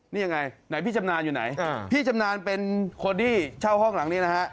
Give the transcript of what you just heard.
นี่ยังไงไหนพี่ชำนาญอยู่ไหนพี่ชำนาญเป็นคนที่เช่าห้องหลังนี้นะฮะ